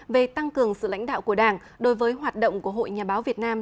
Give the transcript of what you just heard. về tăng cường sự lãnh đạo của đảng đối với hoạt động của hội nhà báo việt nam